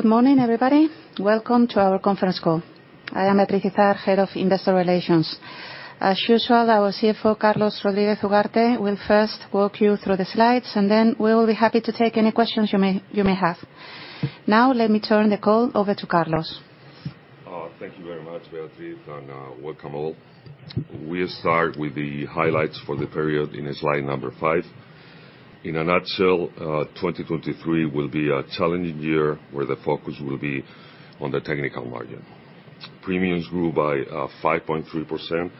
Good morning, everybody. Welcome to our conference call. I am Beatriz Izard, head of investor relations. As usual, our CFO, Carlos Rodríguez-Figar, will first walk you through the slides. Then we will be happy to take any questions you may have. Let me turn the call over to Carlos. Thank you very much, Beatriz, and welcome all. We start with the highlights for the period in slide number 5. In a nutshell, 2023 will be a challenging year where the focus will be on the technical margin. Premiums grew by 5.3%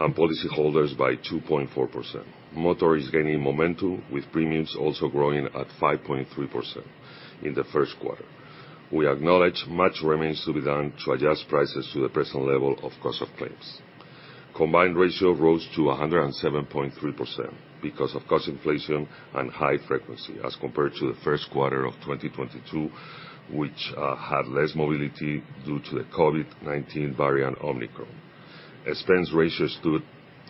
and policyholders by 2.4%. Motor is gaining momentum, with premiums also growing at 5.3% in the first quarter. We acknowledge much remains to be done to adjust prices to the present level of cost of claims. Combined ratio rose to 107.3% because of cost inflation and high frequency as compared to the first quarter of 2022, which had less mobility due to the COVID-19 variant Omicron. Expense ratio stood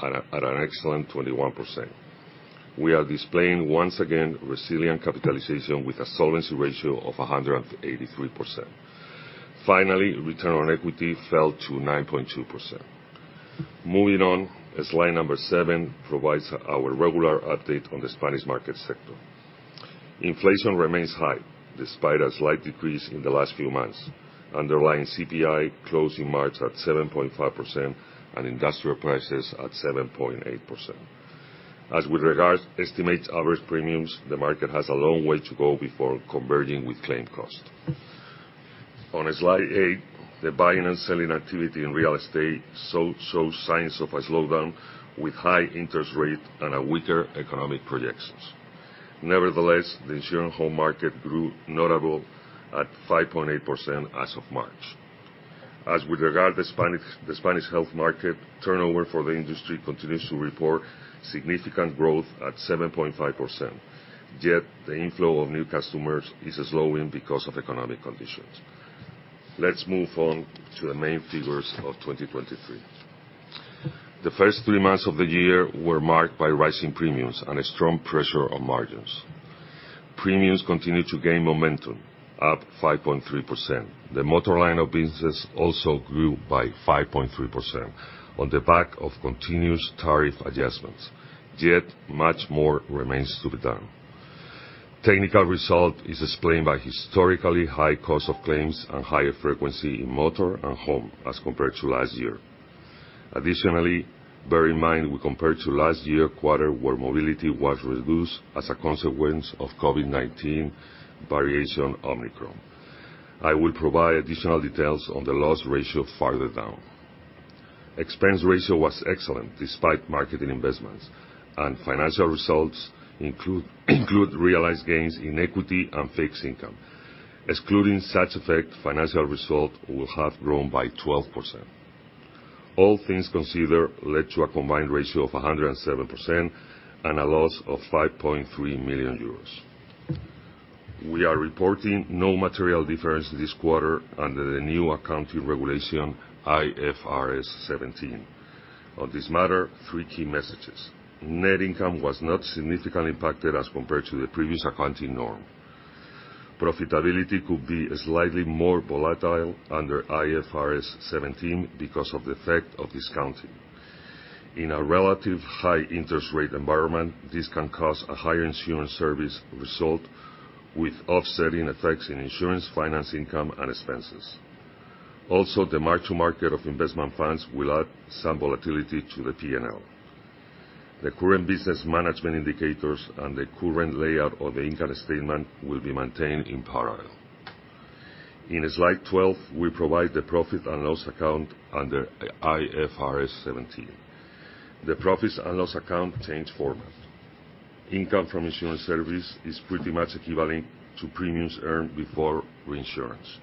at an excellent 21%. We are displaying, once again, resilient capitalization with a solvency ratio of 183%. Finally, return on equity fell to 9.2%. Moving on, as slide number 7 provides our regular update on the Spanish market sector. Inflation remains high despite a slight decrease in the last few months, underlying CPI closing March at 7.5% and industrial prices at 7.8%. As with regards estimates average premiums, the market has a long way to go before converging with claim cost. On slide 8, the buying and selling activity in real estate show signs of a slowdown with high interest rate and a weaker economic projections. Nevertheless, the insurance home market grew notable at 5.8% as of March. As with regard the Spanish, the Spanish health market, turnover for the industry continues to report significant growth at 7.5%. Yet the inflow of new customers is slowing because of economic conditions. Let's move on to the main figures of 2023. The first 3 months of the year were marked by rising premiums and a strong pressure on margins. Premiums continued to gain momentum, up 5.3%. The motor line of business also grew by 5.3% on the back of continuous tariff adjustments. Yet, much more remains to be done. Technical result is explained by historically high cost of claims and higher frequency in motor and home as compared to last year. Additionally, bear in mind we compared to last year quarter, where mobility was reduced as a consequence of COVID-19 variant Omicron. I will provide additional details on the loss ratio further down. Expense ratio was excellent despite marketing investments. Financial results include realized gains in equity and fixed income. Excluding such effect, financial result will have grown by 12%. All things considered led to a combined ratio of 107% and a loss of 5.3 million euros. We are reporting no material difference this quarter under the new accounting regulation IFRS 17. On this matter, 3 key messages. Net income was not significantly impacted as compared to the previous accounting norm. Profitability could be slightly more volatile under IFRS 17 because of the effect of discounting. In a relative high interest rate environment, this can cause a higher insurance service result with offsetting effects in insurance, finance income, and expenses. The mark to market of investment funds will add some volatility to the P&L. The current business management indicators and the current layout of the income statement will be maintained in parallel. In slide 12, we provide the profit and loss account under IFRS 17. The profit and loss account change format. Income from insurance service is pretty much equivalent to premiums earned before reinsurance.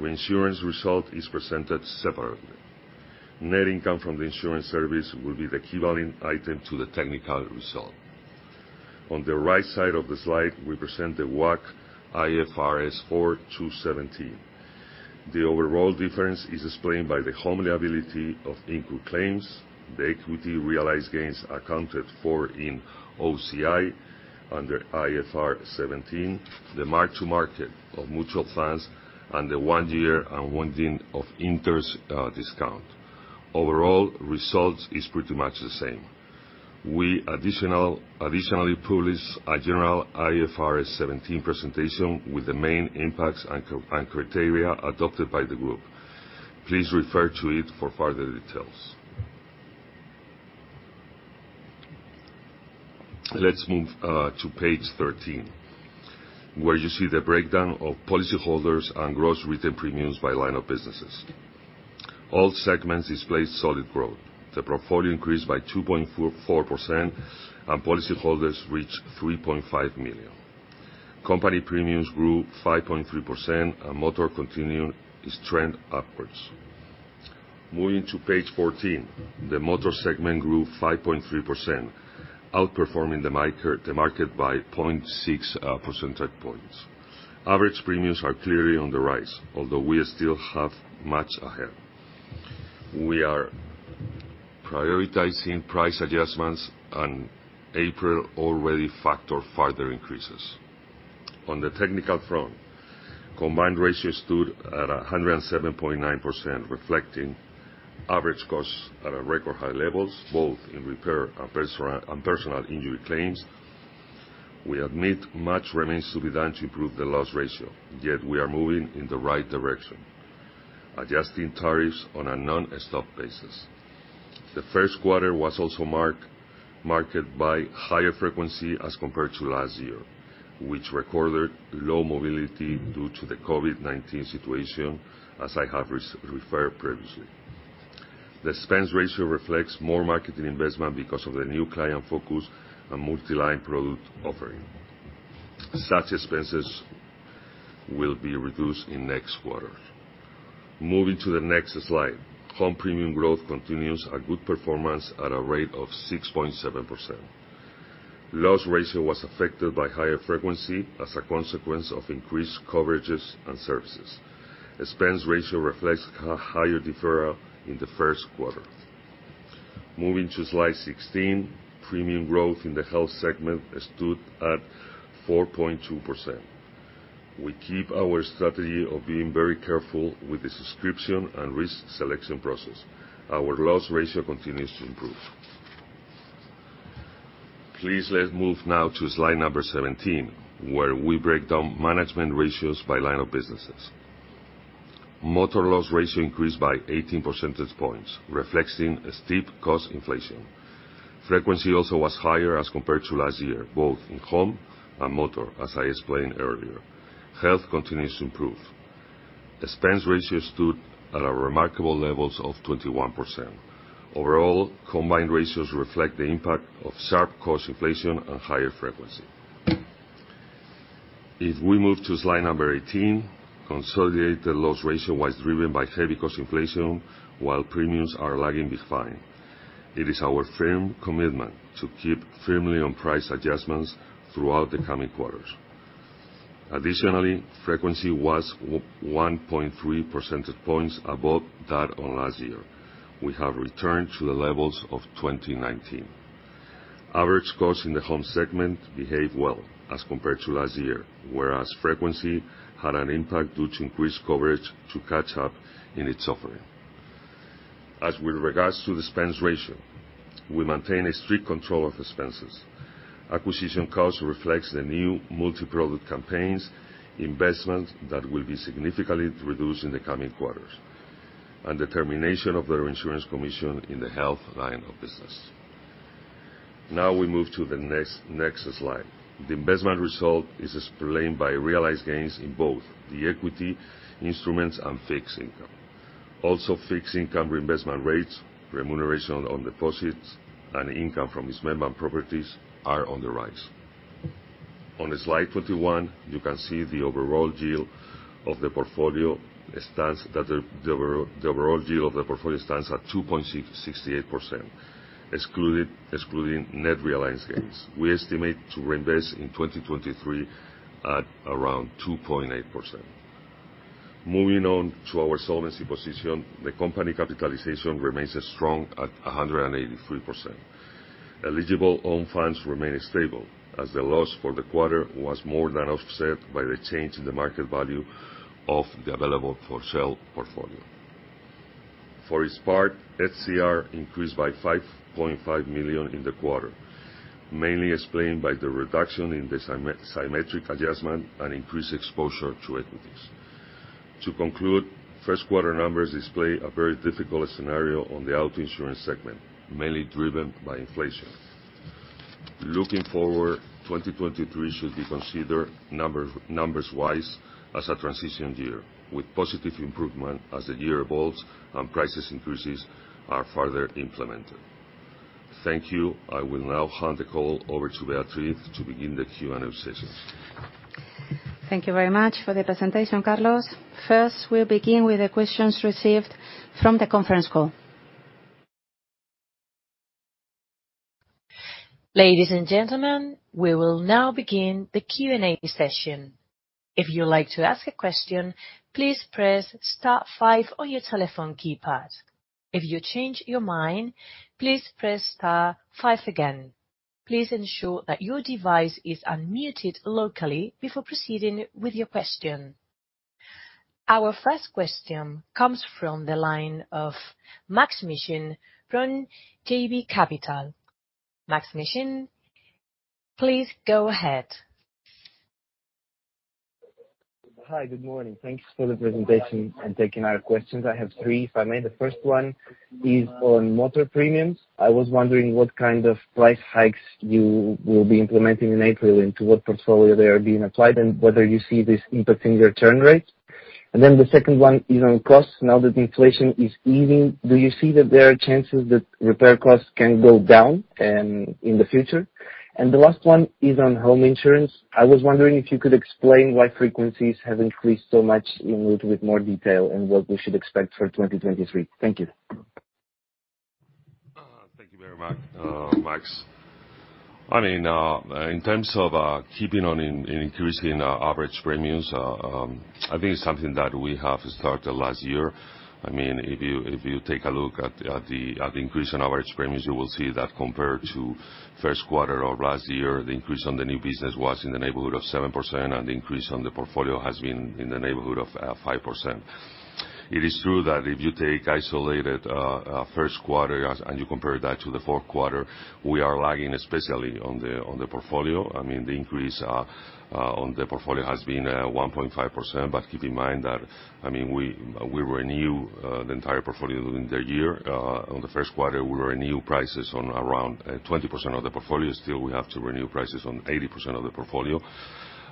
Reinsurance result is presented separately. Net income from the insurance service will be the equivalent item to the technical result. On the right side of the slide, we present the WACC IFRS 4 to 17. The overall difference is explained by the home liability of included claims, the equity realized gains accounted for in OCI under IFRS 17, the market to market of mutual funds, and the one year and one day of interest discount. Overall, results is pretty much the same. We additionally publish a general IFRS 17 presentation with the main impacts and criteria adopted by the group. Please refer to it for further details. Let's move to page 13, where you see the breakdown of policyholders and gross written premiums by line of businesses. All segments display solid growth. The portfolio increased by 2.44%, and policyholders reached 3.5 million. Company premiums grew 5.3%, and motor continued its trend upwards. Moving to page 14, the motor segment grew 5.3%, outperforming the market by 0.6 percentage points. Average premiums are clearly on the rise, although we still have much ahead. We are prioritizing price adjustments on April already factor further increases. On the technical front, combined ratio stood at 107.9%, reflecting average costs at record high levels, both in repair and personal injury claims. We admit much remains to be done to improve the loss ratio. Yet we are moving in the right direction, adjusting tariffs on a nonstop basis. The first quarter was also marked by higher frequency as compared to last year, which recorded low mobility due to the COVID-19 situation, as I have referred previously. The expense ratio reflects more marketing investment because of the new client focus and multi-line product offering. Such expenses will be reduced in next quarters. Moving to the next slide. Home premium growth continues a good performance at a rate of 6.7%. Loss ratio was affected by higher frequency as a consequence of increased coverages and services. Expense ratio reflects a higher deferral in the first quarter. Moving to slide 16, premium growth in the health segment stood at 4.2%. We keep our strategy of being very careful with the subscription and risk selection process. Our loss ratio continues to improve. Please, let's move now to slide number 17, where we break down management ratios by line of businesses. Motor loss ratio increased by 18 percentage points, reflecting a steep cost inflation. Frequency also was higher as compared to last year, both in home and motor, as I explained earlier. Health continues to improve. Expense ratio stood at remarkable levels of 21%. Overall, combined ratios reflect the impact of sharp cost inflation and higher frequency. If we move to slide number 18, consolidated loss ratio was driven by heavy cost inflation, while premiums are lagging behind. It is our firm commitment to keep firmly on price adjustments throughout the coming quarters. Frequency was 1.3 percentage points above that on last year. We have returned to the levels of 2019. Average cost in the home segment behaved well as compared to last year, whereas frequency had an impact due to increased coverage to catch up in its offering. As with regards to expense ratio, we maintain a strict control of expenses. Acquisition cost reflects the new multiproduct campaigns, investments that will be significantly reduced in the coming quarters, and the termination of their insurance commission in the health line of business. Now we move to the next slide. The investment result is explained by realized gains in both the equity instruments and fixed income. Fixed income reinvestment rates, remuneration on deposits, and income from investment properties are on the rise. On slide 21, you can see the overall yield of the portfolio stands that the overall yield of the portfolio stands at 2.668% excluded, excluding net realized gains. We estimate to reinvest in 2023 at around 2.8%. Moving on to our solvency position, the company capitalization remains as strong at 183%. Eligible own funds remain stable, as the loss for the quarter was more than offset by the change in the market value of the available for sale portfolio. For its part, SCR increased by 5.5 million in the quarter, mainly explained by the reduction in the symmetric adjustment and increased exposure to equities. To conclude, first quarter numbers display a very difficult scenario on the auto insurance segment, mainly driven by inflation. Looking forward, 2023 should be considered numbers wise as a transition year, with positive improvement as the year evolves and prices increases are further implemented. Thank you. I will now hand the call over to Beatriz to begin the Q&A session. Thank you very much for the presentation, Carlos. First, we will begin with the questions received from the conference call. Ladies and gentlemen, we will now begin the Q&A session. If you would like to ask a question, please press star five on your telephone keypad. If you change your mind, please press star five again. Please ensure that your device is unmuted locally before proceeding with your question. Our first question comes from the line of Maksym Mishyn from JB Capital. Maksym Mishyn, please go ahead. Hi. Good morning. Thanks for the presentation and taking our questions. I have three, if I may. The first one is on motor premiums. I was wondering what kind of price hikes you will be implementing in April, and to what portfolio they are being applied, and whether you see this impacting your return rates. The second one is on costs. Now that inflation is easing, do you see that there are chances that repair costs can go down in the future? The last one is on home insurance. I was wondering if you could explain why frequencies have increased so much in a little bit more detail and what we should expect for 2023. Thank you. Thank you very much, Max. I mean, in terms of keeping on increasing our average premiums, I think it's something that we have started last year. I mean, if you take a look at the increase in average premiums, you will see that compared to first quarter of last year, the increase on the new business was in the neighborhood of 7%, and the increase on the portfolio has been in the neighborhood of 5%. It is true that if you take isolated first quarter and you compare that to the fourth quarter, we are lagging especially on the portfolio. I mean, the increase on the portfolio has been 1.5%. Keep in mind that, I mean, we renew the entire portfolio during the year. On the first quarter, we renew prices on around 20% of the portfolio. Still we have to renew prices on 80% of the portfolio.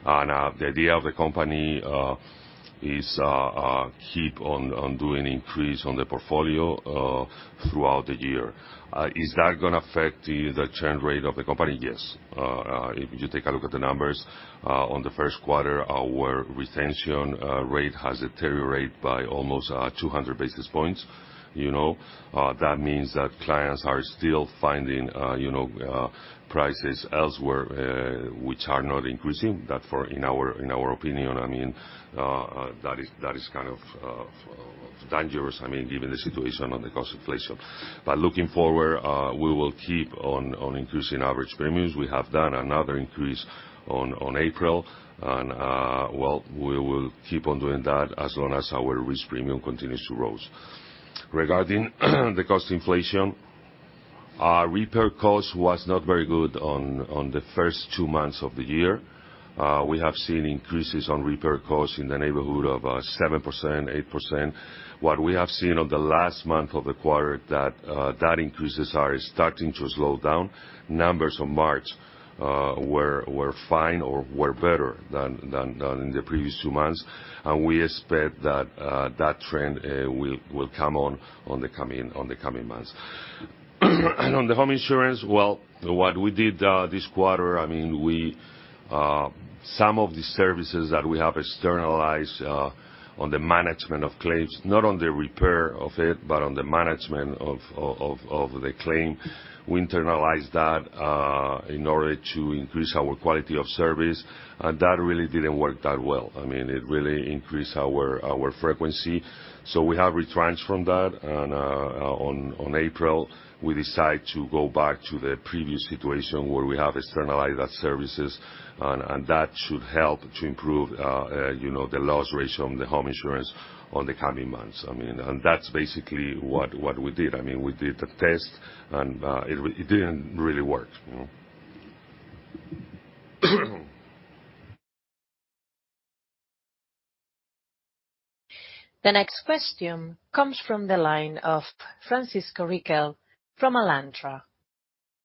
The idea of the company is keep on doing increase on the portfolio throughout the year. Is that gonna affect the churn rate of the company? Yes. If you take a look at the numbers, on the first quarter, our retention rate has deteriorated by almost 200 basis points. You know, that means that clients are still finding, you know, prices elsewhere, which are not increasing. That in our opinion, I mean, that is kind of dangerous, I mean, given the situation on the cost inflation. Looking forward, we will keep on increasing average premiums. We have done another increase on April, well, we will keep on doing that as long as our risk premium continues to rise. Regarding the cost inflation, our repair cost was not very good on the first two months of the year. We have seen increases on repair costs in the neighborhood of 7%, 8%. What we have seen on the last month of the quarter that increases are starting to slow down. Numbers on March were fine or were better than the previous two months. We expect that that trend will come on the coming months. On the home insurance, well, what we did this quarter, I mean, we some of the services that we have externalized on the management of claims, not on the repair of it, but on the management of the claim. We internalized that in order to increase our quality of service, and that really didn't work that well. I mean, it really increased our frequency. We have retrenched from that. On April, we decide to go back to the previous situation where we have externalized that services and that should help to improve, you know, the loss ratio on the home insurance on the coming months. I mean, that's basically what we did. I mean, we did a test and, it didn't really work. You know? The next question comes from the line of Francisco Riquel from Alantra.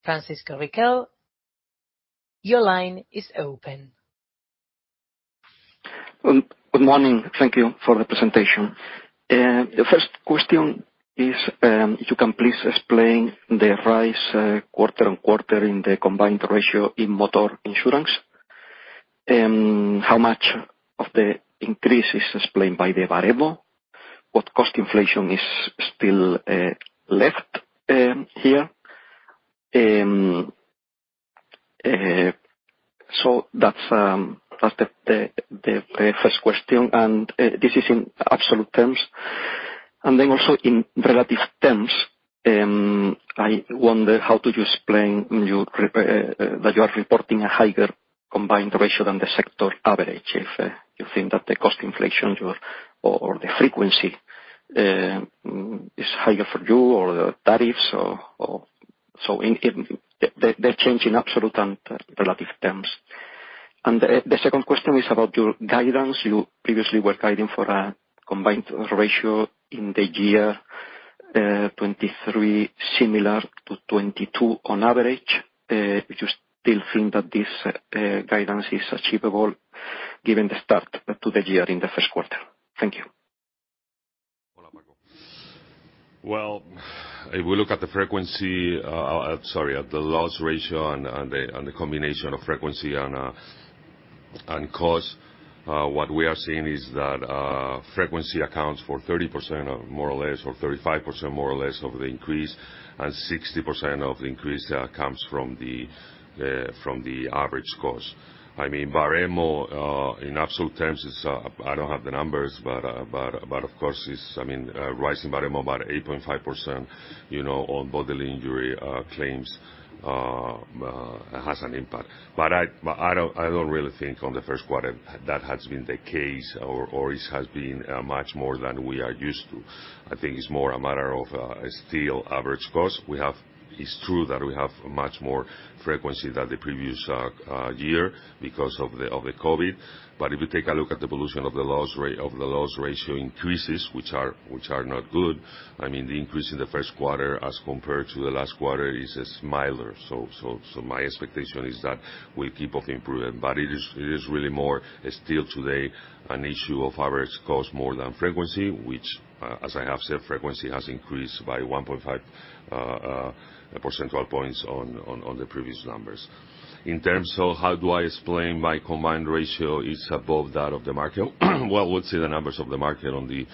Francisco Riquel, your line is open. Good morning. Thank you for the presentation. The first question is, if you can please explain the rise quarter-on-quarter in the combined ratio in motor insurance. How much of the increase is explained by the Baremo? What cost inflation is still left here? That's the first question, this is in absolute terms. Also in relative terms, I wonder how to explain that you are reporting a higher combined ratio than the sector average. If you think that the cost inflation or the frequency is higher for you or the tariffs or... The change in absolute and relative terms. The second question is about your guidance. You previously were guiding for a combined ratio in the year, 2023 similar to 2022 on average. If you still think that this guidance is achievable given the start to the year in the first quarter? Thank you. Hola, Marco. Well, if we look at the frequency, sorry, at the loss ratio and the combination of frequency and cost, what we are seeing is that frequency accounts for 30% of more or less, or 35% more or less of the increase, and 60% of the increase comes from the average cost. I mean, Baremo in absolute terms is I don't have the numbers, but of course is, I mean, rising Baremo about 8.5%, you know, on bodily injury claims has an impact. I don't really think on the first quarter that has been the case or it has been much more than we are used to. I think it's more a matter of still average cost. It's true that we have much more frequency than the previous year because of the COVID. If you take a look at the evolution of the loss ratio increases, which are not good. I mean, the increase in the first quarter as compared to the last quarter is milder. My expectation is that we'll keep on improving. It is really more still today an issue of average cost more than frequency, which, as I have said, frequency has increased by 1.5 percentage points on the previous numbers. In terms of how do I explain my combined ratio is above that of the market. Well, we'll see the numbers of the market on the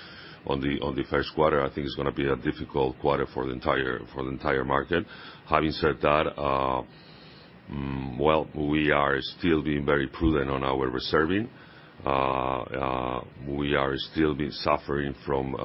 first quarter. I think it's gonna be a difficult quarter for the entire market. Having said that, Well, we are still been suffering from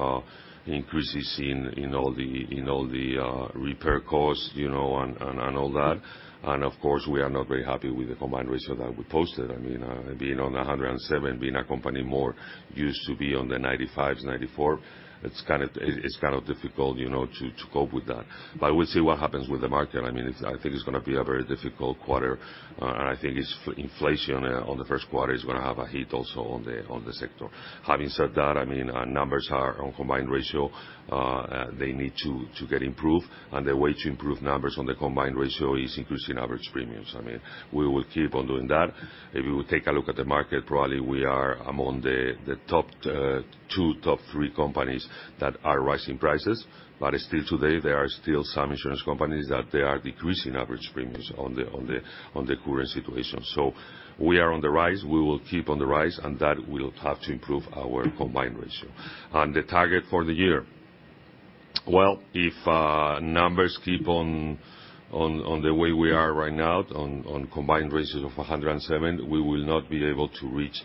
increases in all the repair costs, you know, and all that. Of course, we are not very happy with the combined ratio that we posted. I mean, being on 107, being a company more used to be on the 1995s, 1994, it's kind of difficult, you know, to cope with that. We'll see what happens with the market. I mean, I think it's gonna be a very difficult quarter, and I think inflation on the 1st quarter is gonna have a hit also on the sector. Having said that, I mean, our numbers are on combined ratio, they need to get improved. The way to improve numbers on the combined ratio is increasing average premiums. I mean, we will keep on doing that. If you will take a look at the market, probably we are among the top two, top three companies that are rising prices. Still today, there are still some insurance companies that they are decreasing average premiums on the current situation. We are on the rise. We will keep on the rise, and that will have to improve our combined ratio. On the target for the year. Well, if numbers keep on the way we are right now on combined ratios of 107, we will not be able to reach,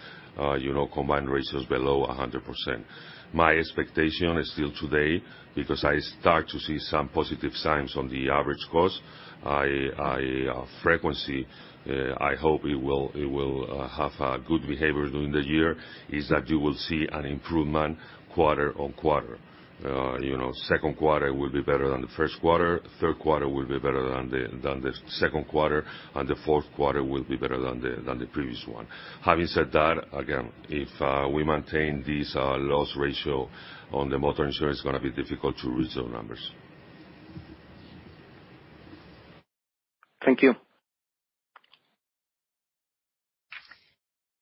you know, combined ratios below 100%. My expectation is still today because I start to see some positive signs on the average cost. I frequency, I hope it will have a good behavior during the year, is that you will see an improvement quarter on quarter. You know, second quarter will be better than the first quarter, third quarter will be better than the second quarter, and the fourth quarter will be better than the previous one. Having said that, again, if we maintain this loss ratio on the motor insurance, it's gonna be difficult to reach those numbers. Thank you.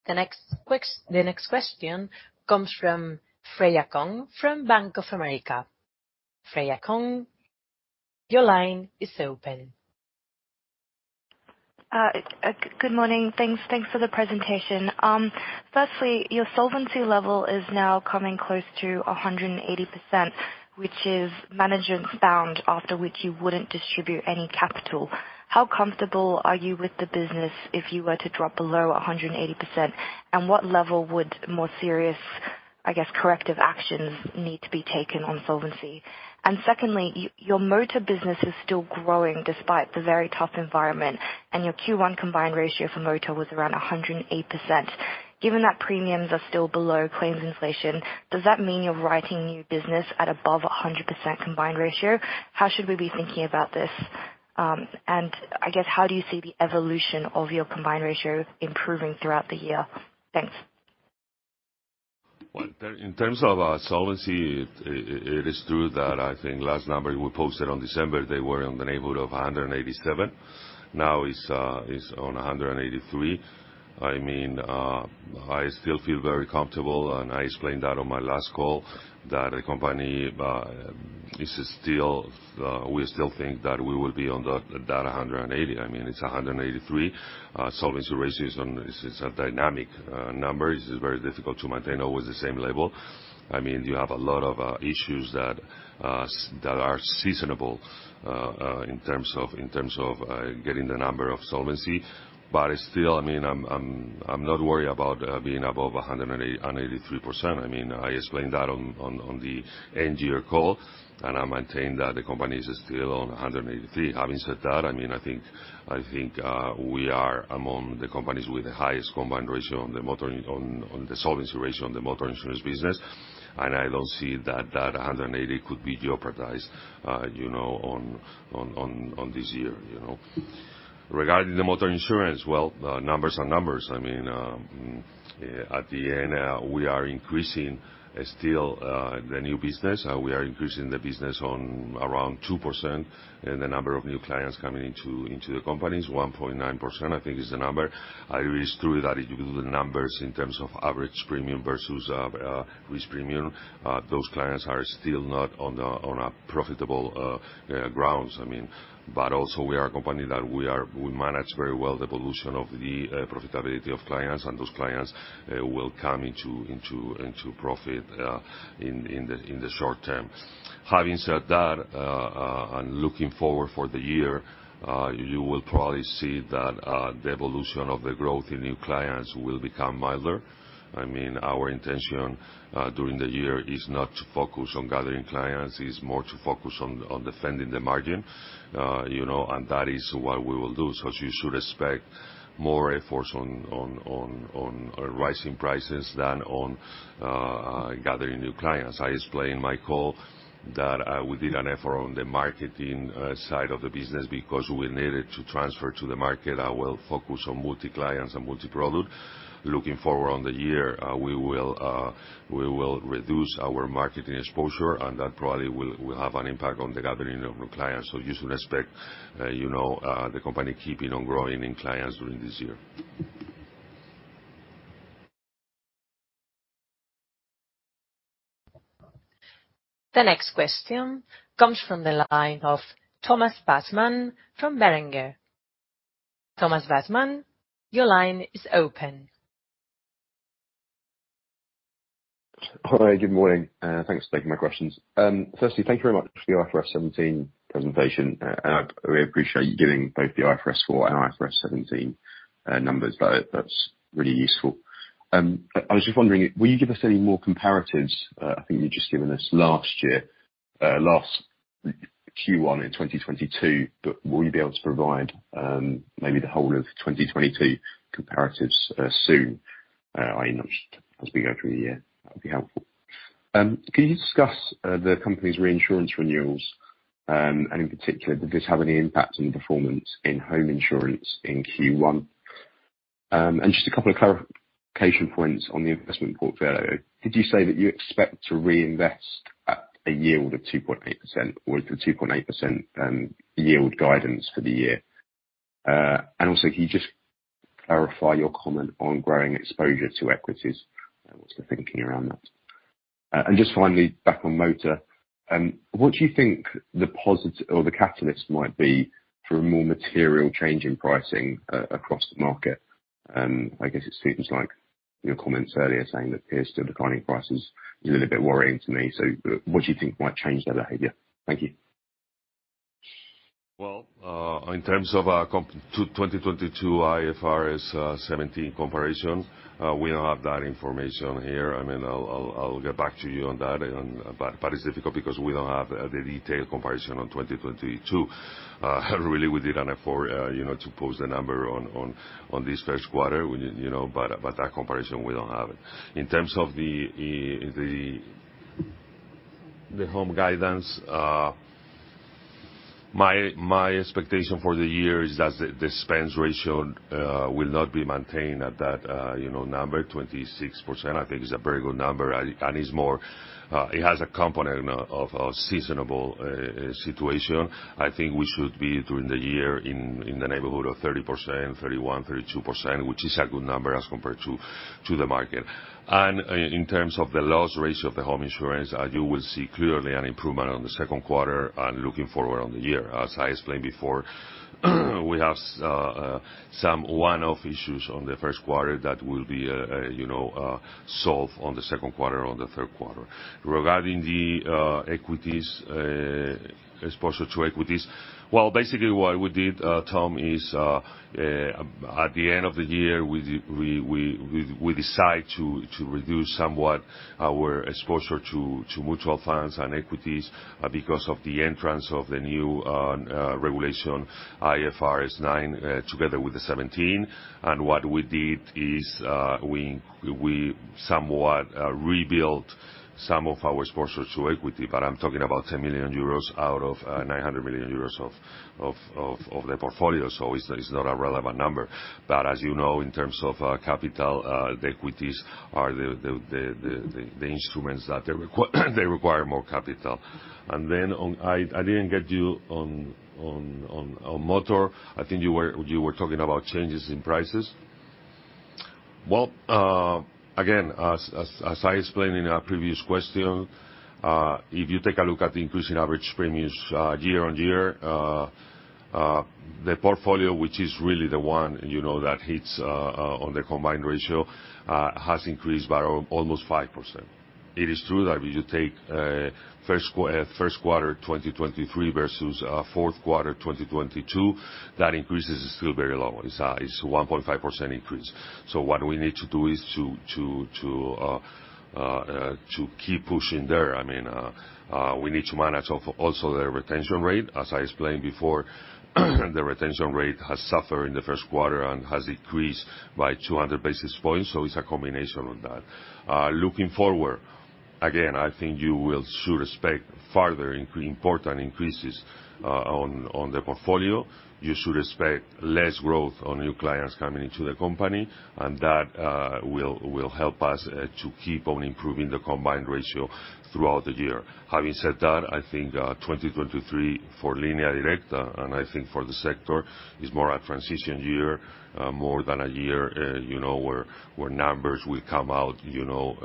The next question comes from Freya Kong from Bank of America. Freya Kong, your line is open. Good morning. Thanks for the presentation. Firstly, your solvency level is now coming close to 180%, which is management's bound after which you wouldn't distribute any capital. How comfortable are you with the business if you were to drop below 180%? What level would more serious, I guess, corrective actions need to be taken on solvency? Secondly, your motor business is still growing despite the very tough environment, and your Q1 combined ratio for motor was around 108%. Given that premiums are still below claims inflation, does that mean you're writing new business at above 100% combined ratio? How should we be thinking about this? I guess how do you see the evolution of your combined ratio improving throughout the year? Thanks. In terms of solvency, it is true that I think last number we posted on December, they were in the neighborhood of 187. Now is on 183. I mean, I still feel very comfortable, and I explained that on my last call, that the company is still, we still think that we will be on the, that 180. I mean, it's 183. Solvency ratio is a dynamic number. It's very difficult to maintain always the same level. I mean, you have a lot of issues that are seasonable in terms of getting the number of solvency. I mean, I'm not worried about being above 108, 183%. I mean, I explained that on the end year call, and I maintain that the company is still on 183. Having said that, I mean, I think we are among the companies with the highest combined ratio on the motor on the solvency ratio on the motor insurance business. I don't see that that 180 could be jeopardized, you know, on this year, you know. Regarding the motor insurance, well, numbers are numbers. I mean, at the end, we are increasing still, the new business. We are increasing the business on around 2% in the number of new clients coming into the company. It's 1.9%, I think is the number. It is true that if you do the numbers in terms of average premium versus risk premium, those clients are still not on profitable grounds. I mean, also we are a company that we manage very well the pollution of the profitability of clients, and those clients will come into profit in the short term. Having said that, looking forward for the year, you will probably see that the evolution of the growth in new clients will become milder. I mean, our intention during the year is not to focus on gathering clients. It's more to focus on defending the margin. You know, that is what we will do. You should expect more efforts on rising prices than on gathering new clients. I explained in my call that we did an effort on the marketing side of the business because we needed to transfer to the market. I will focus on multi-clients and multi-product. Looking forward on the year, we will reduce our marketing exposure, and that probably will have an impact on the gathering of new clients. You should expect, you know, the company keeping on growing in clients during this year. The next question comes from the line of Thomas Wissmann from Berenberg. Thomas Wissmann, your line is open. Hi, good morning. Thanks for taking my questions. Firstly, thank you very much for your IFRS 17 presentation. And I really appreciate you giving both the IFRS 4 and IFRS 17 numbers. That's really useful. I was just wondering, will you give us any more comparatives? I think you've just given us last year, last quarter in 2022. Will you be able to provide, maybe the whole of 2022 comparatives soon? I know as we go through the year, that would be helpful. Can you discuss the company's reinsurance renewals? In particular, did this have any impact on the performance in home insurance in Q1? Just a couple of clarification points on the investment portfolio. Did you say that you expect to reinvest at a yield of 2.8% or is the 2.8% yield guidance for the year? Can you just clarify your comment on growing exposure to equities? What's the thinking around that? Just finally back on motor, what do you think the positive or the catalyst might be for a more material change in pricing across the market? I guess it seems like your comments earlier saying that peers still declining prices is a little bit worrying to me. What do you think might change their behavior? Thank you. Well, in terms of our 2022 IFRS 17 comparison, we don't have that information here. I mean, I'll get back to you on that but it's difficult because we don't have the detailed comparison on 2022. Really, we didn't afford, you know, to post the number on this first quarter. We, you know, but that comparison, we don't have it. In terms of the home guidance, my expectation for the year is that the expense ratio will not be maintained at that, you know, number. 26% I think is a very good number and is more, it has a component of seasonable situation. I think we should be during the year in the neighborhood of 30%, 31%, 32%, which is a good number as compared to the market. In terms of the loss ratio of the home insurance, you will see clearly an improvement on the second quarter and looking forward on the year. As I explained before, we have some one-off issues on the first quarter that will be, you know, solved on the second quarter or the third quarter. Regarding the equities, exposure to equities. Basically what we did, Tom, is at the end of the year, we decide to reduce somewhat our exposure to mutual funds and equities, because of the entrance of the new regulation IFRS 9, together with the seventeen. What we did is, we somewhat rebuilt some of our exposure to equity, but I'm talking about 10 million euros out of 900 million euros of the portfolio. It's not a relevant number. As you know, in terms of capital, the equities are the instruments that they require more capital. On... I didn't get you on motor. I think you were talking about changes in prices. Well, again, as I explained in a previous question, if you take a look at the increasing average premiums year-on-year, the portfolio which is really the one, you know, that hits on the combined ratio has increased by almost 5%. It is true that if you take first quarter 2023 versus fourth quarter 2022, that increase is still very low. It's 1.5% increase. What we need to do is to keep pushing there. I mean, we need to manage of also the retention rate. As I explained before, the retention rate has suffered in the first quarter and has decreased by 200 basis points. It's a combination of that. Looking forward, again, I think you will should expect further important increases on the portfolio. You should expect less growth on new clients coming into the company, and that will help us to keep on improving the combined ratio throughout the year. Having said that, I think 2023 for Línea Directa and I think for the sector is more a transition year, more than a year, you know, where numbers will come out, you know,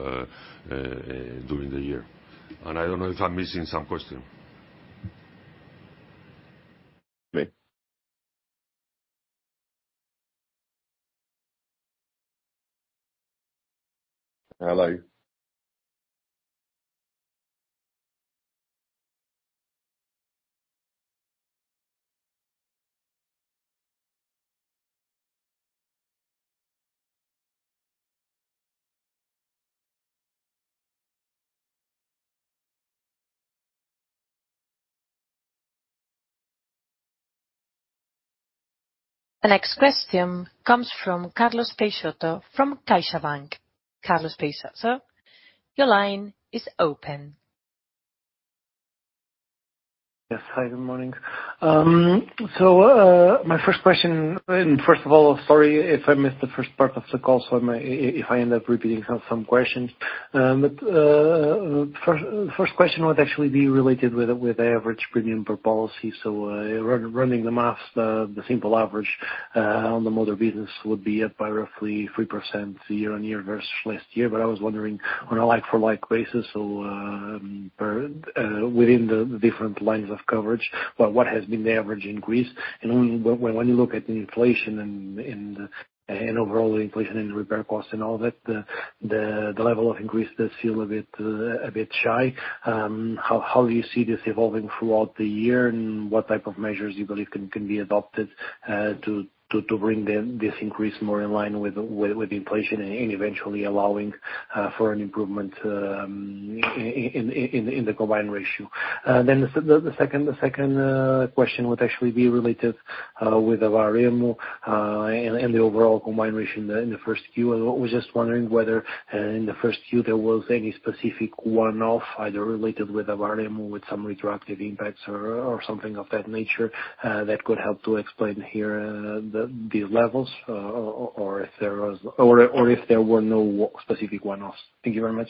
during the year. I don't know if I'm missing some question? Me. The next question comes from Carlos Peixoto from CaixaBank. Carlos Peixoto, your line is open. Yes. Hi, good morning. My first question and first of all, sorry if I missed the first part of the call, so if I end up repeating some questions. First question would actually be related with the average premium per policy. Running the math, the simple average on the motor business would be up by roughly 3% year-on-year versus last year. I was wondering on a like-for-like basis or per within the different lines of coverage, what has been the average increase? When you look at inflation and overall inflation in repair costs and all that, the level of increase does feel a bit shy. How do you see this evolving throughout the year? What type of measures you believe can be adopted to bring this increase more in line with inflation and eventually allowing for an improvement in the combined ratio? The second question would actually be related with the Baremo and the overall combined ratio there in the first Q. I was just wondering whether in the first Q there was any specific one-off either related with the Baremo with some retroactive impacts or something of that nature that could help to explain here the levels, or if there were no specific one-offs. Thank you very much.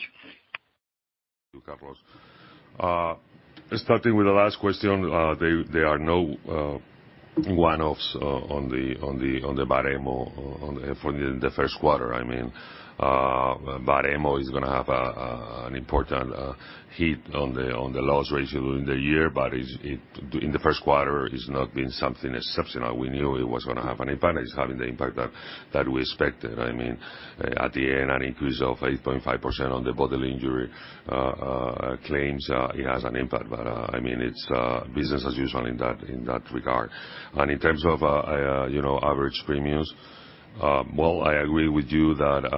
Carlos. Starting with the last question, there are no one-offs on the Baremo on, for the first quarter. I mean, Baremo is gonna have an important hit on the loss ratio during the year, but in the first quarter is not been something exceptional. We knew it was gonna have an impact. It's having the impact that we expected. I mean, at the end, an increase of 8.5% on the bodily injury claims, it has an impact. But, I mean, it's business as usual in that, in that regard. In terms of, you know, average premiums, well, I agree with you that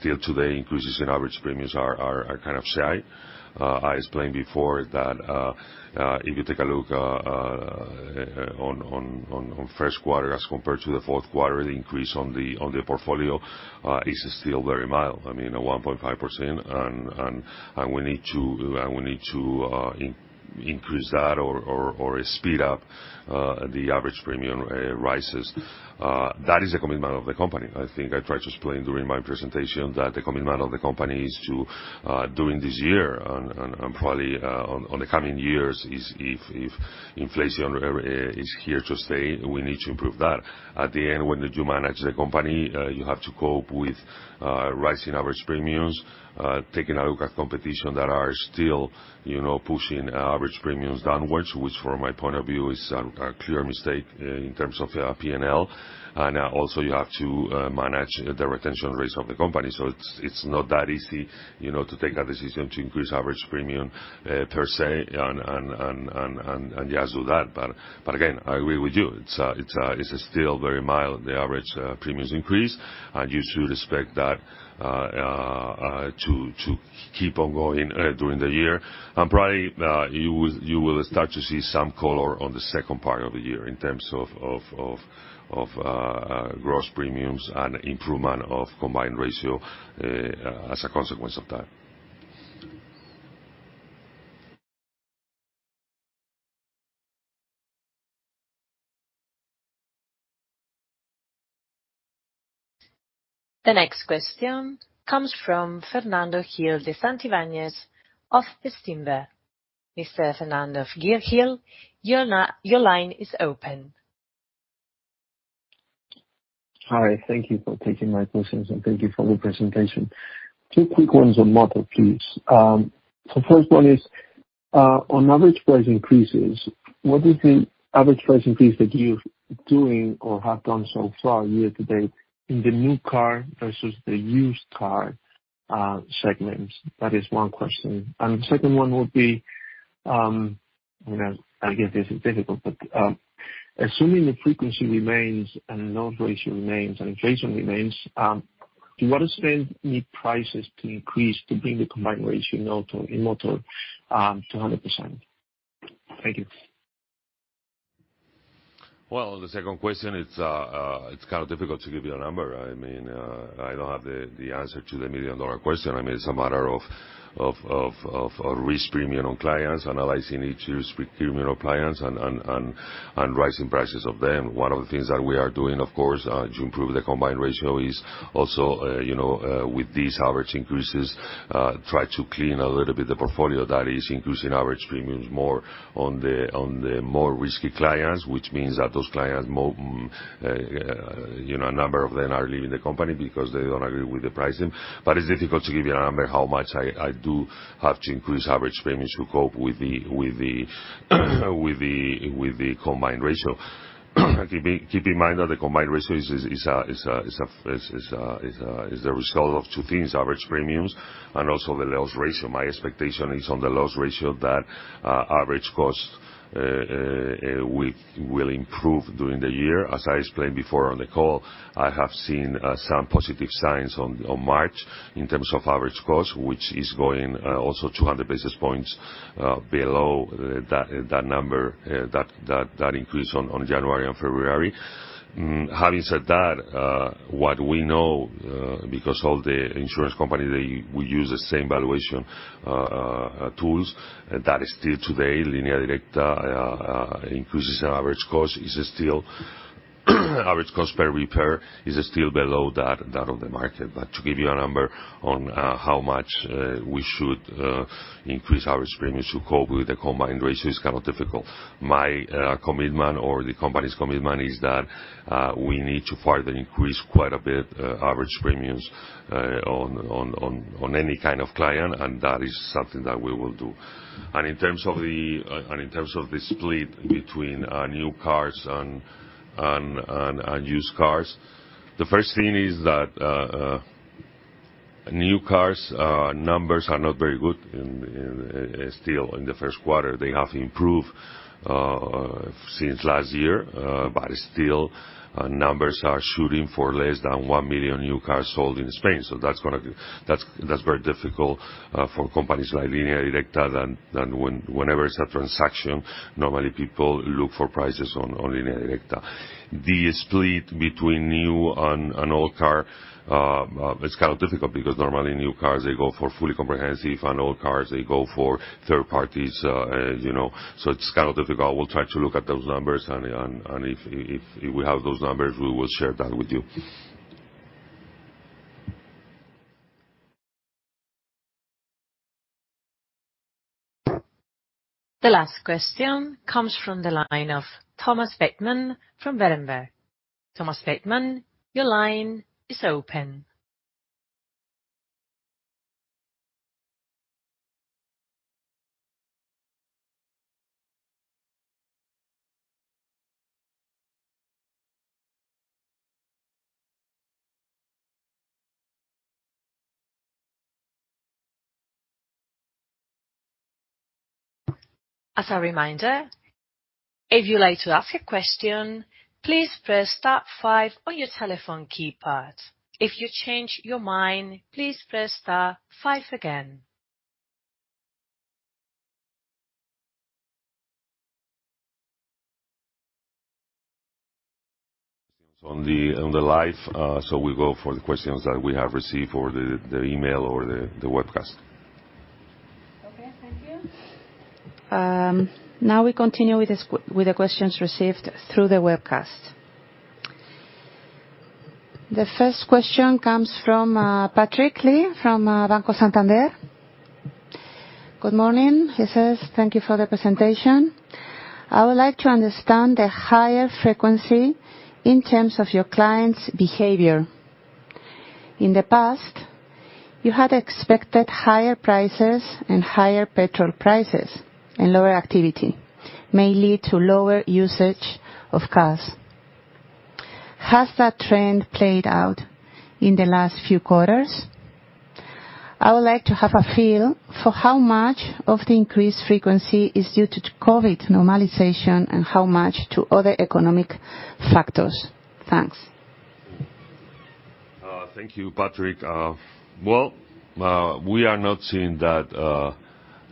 still today increases in average premiums are kind of shy. I explained before that, if you take a look on first quarter as compared to the fourth quarter, the increase on the portfolio is still very mild. I mean, at 1.5%. We need to increase that or speed up the average premium rises. That is a commitment of the company. I think I tried to explain during my presentation that the commitment of the company is to during this year and probably on the coming years is if inflation is here to stay, we need to improve that. At the end, when you manage the company, you have to cope with rising average premiums, taking a look at competition that are still, you know, pushing average premiums downwards, which from my point of view is a clear mistake in terms of P&L. Also you have to manage the retention rates of the company. It's not that easy, you know, to take a decision to increase average premium per se and just do that. Again, I agree with you. It's still very mild, the average premiums increase. You should expect that to keep on going during the year. Probably, you will start to see some color on the second part of the year in terms of gross premiums and improvement of combined ratio, as a consequence of that. The next question comes from Fernando Gil de Santivañes of Bestinver. Mr. Fernando Gil, your line is open. Hi, thank you for taking my questions and thank you for the presentation. Two quick ones on model, please. First one is on average price increases, what is the average price increase that you've doing or have done so far year to date in the new car versus the used car, segments? That is one question. The second one would be, you know, I get this is difficult, but assuming the frequency remains and loss ratio remains and inflation remains, do what extent need prices to increase to bring the combined ratio now to in motor, to 100%? Thank you. The second question, it's kind of difficult to give you a number. I mean, I don't have the answer to the $1 million question. I mean, it's a matter of risk premium on clients, analyzing each risk premium on clients and rising prices of them. One of the things that we are doing, of course, to improve the combined ratio is also, you know, with these average increases, try to clean a little bit the portfolio that is increasing average premiums more on the more risky clients, which means that those clients, you know, a number of them are leaving the company because they don't agree with the pricing. It's difficult to give you a number how much I do have to increase average premiums to cope with the combined ratio. Keep in mind that the combined ratio is the result of two things, average premiums and also the loss ratio. My expectation is on the loss ratio that average cost will improve during the year. As I explained before on the call, I have seen some positive signs on March in terms of average cost, which is going also 200 basis points below that number that increase on January and February. Having said that, what we know, because all the insurance companies, we use the same valuation tools, that still today, Línea Directa, Average cost per repair is still below that of the market. To give you a number on how much we should increase our premiums to cope with the combined ratio is kind of difficult. My commitment or the company's commitment is that we need to further increase quite a bit, average premiums, on any kind of client. That is something that we will do. In terms of the split between new cars and used cars, the first thing is that new cars numbers are not very good in still in the first quarter. They have improved since last year, still numbers are shooting for less than 1 million new cars sold in Spain. That's very difficult for companies like Línea Directa than whenever it's a transaction, normally people look for prices on Línea Directa. The split between new and old car, it's kind of difficult because normally new cars, they go for fully comprehensive, and old cars, they go for third parties, you know. It's kind of difficult. We'll try to look at those numbers, and if we have those numbers, we will share that with you. The last question comes from the line of Thomas Wissmann from Berenberg. Thomas Wissmann, your line is open. As a reminder, if you'd like to ask a question, please press star five on your telephone keypad. If you change your mind, please press star five again. On the live, we go for the questions that we have received or the email or the webcast. Okay, thank you. Now we continue with the questions received through the webcast. The first question comes from Patrick Lee from Banco Santander. Good morning. He says, thank you for the presentation. I would like to understand the higher frequency in terms of your clients' behavior. In the past, you had expected higher prices and higher petrol prices and lower activity, may lead to lower usage of cars. Has that trend played out in the last few quarters? I would like to have a feel for how much of the increased frequency is due to COVID normalization and how much to other economic factors. Thanks. Thank you, Patrick. Well, we are not seeing that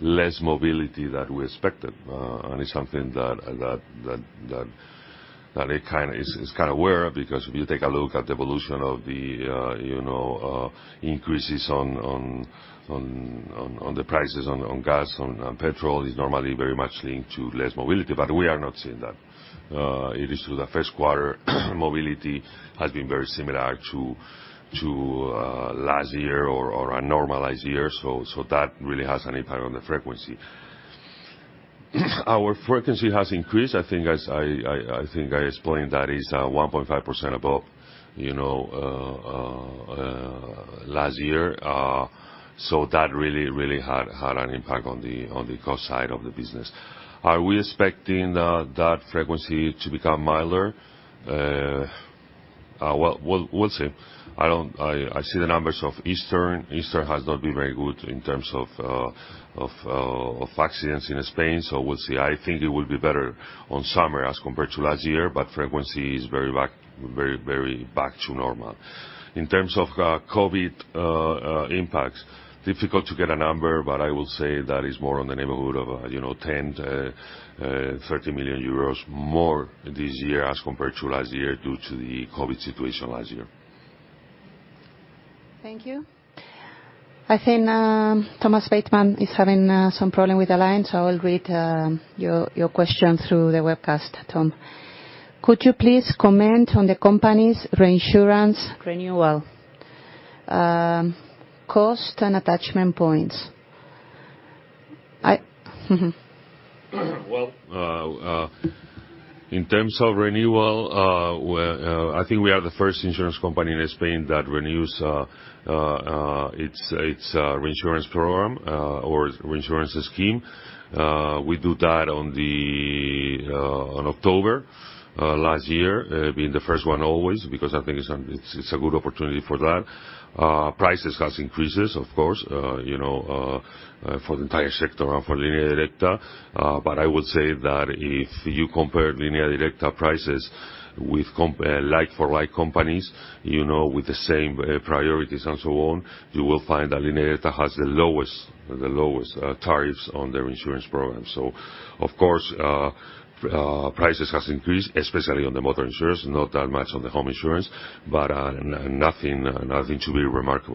less mobility that we expected. It's something that it kinda is kinda weird because if you take a look at the evolution of the, you know, increases on the prices on gas, on petrol, it's normally very much linked to less mobility, but we are not seeing that. It is the first quarter, mobility has been very similar to last year or a normalized year, so that really has an impact on the frequency. Our frequency has increased. I think as I think I explained that is 1.5% above, you know, last year. That really had an impact on the cost side of the business. Are we expecting that frequency to become milder? Well, we'll see. I see the numbers of Easter. Easter has not been very good in terms of accidents in Spain, so we'll see. I think it will be better on summer as compared to last year, but frequency is very, very back to normal. In terms of COVID impacts, difficult to get a number, but I will say that is more in the neighborhood of, you know, 10 million to 30 million more this year as compared to last year due to the COVID situation last year. Thank you. I think Thomas Wissmann is having some problem with the line, so I will read your question through the webcast, Tom. Could you please comment on the company's reinsurance renewal cost and attachment points? Mm-hmm. Well, in terms of renewal, we, I think we are the first insurance company in Spain that renews its reinsurance program or reinsurance scheme. We do that on October last year, being the first one always because I think it's a good opportunity for that. Prices has increased, of course, you know, for the entire sector and for Línea Directa. I would say that if you compare Línea Directa prices with like for like companies, you know, with the same priorities and so on, you will find that Línea Directa has the lowest tariffs on their insurance program. Of course, prices has increased, especially on the motor insurance, not that much on the home insurance, but nothing to be remarkable.